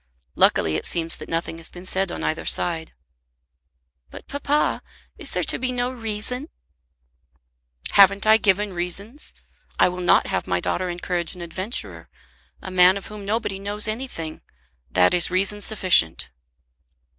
Luckily it seems that nothing has been said on either side." "But, papa ; is there to be no reason?" "Haven't I given reasons? I will not have my daughter encourage an adventurer, a man of whom nobody knows anything. That is reason sufficient."